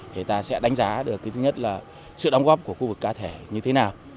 thì ta sẽ đánh giá được thứ nhất là sự đóng góp của khu vực cá thể như thế nào